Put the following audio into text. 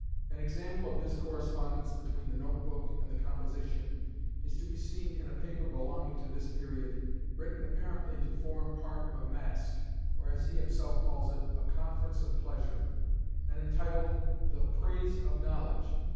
An example of this correspondence between the note book and the composition is to be seen in a paper belonging to this period, written apparently to form part of a masque, or as he himself calls it, a "Conference of Pleasure," and entitled the Praise of Knowledge.